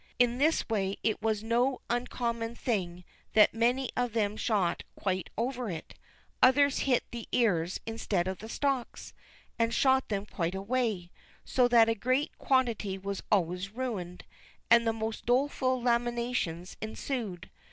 In this way, it was no uncommon thing that many of them shot quite over it; others hit the ears instead of the stalks, and shot them quite away, so that a great quantity was always ruined, and the most doleful lamentations ensued.